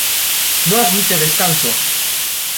No admite descanso".